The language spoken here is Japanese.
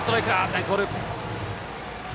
ナイスボール！